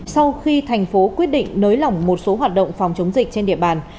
sau khi thành phố quyết định nới lỏng một số hoạt động phòng chống dịch trên địa bàn